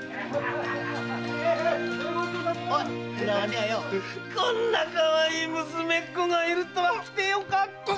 浦和にこんなかわいい娘っ子がいるとは来てよかった！